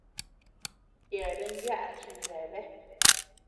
Yeabean yaʼa chineabea.